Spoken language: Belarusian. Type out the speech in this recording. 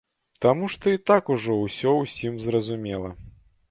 Таму што і так ужо ўсё ўсім зразумела.